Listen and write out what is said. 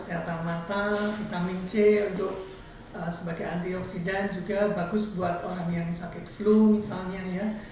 selanjutnya juga bisa dikonsumsi sebagai antioksidan juga bagus buat orang yang sakit flu misalnya ya